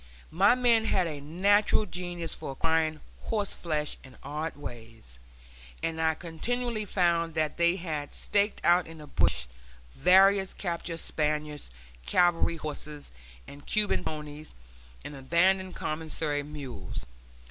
My men had a natural genius for acquiring horseflesh in odd ways, and I continually found that they had staked out in the brush various captured Spanish cavalry horses and Cuban ponies and abandoned commissary mules.